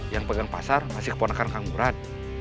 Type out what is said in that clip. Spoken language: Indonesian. yang pegang pasar masih keponakan kang murad